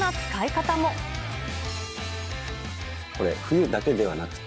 これ、冬だけではなくて、